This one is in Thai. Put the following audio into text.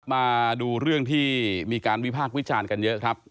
มาดูเรื่องที่มีการวิพากษ์วิจารณ์กันเยอะครับ